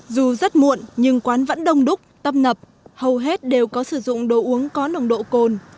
dù rất muộn nhưng quán vẫn đông đúc tâm nập hầu hết đều có sử dụng đồ uống có nồng độ cồn